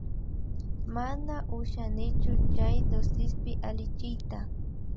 Mana ushanichu chay DOCSpi allichiyta